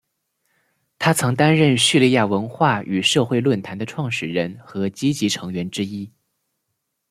他曾担任叙利亚文化与社会论坛的创始人和积极成员之一。